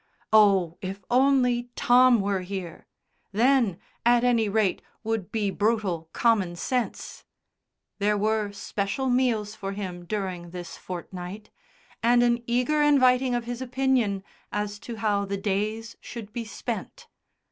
Oh, if only Tom were here! Then, at any rate, would be brutal common sense. There were special meals for him during this fortnight, and an eager inviting of his opinion as to how the days should be spent.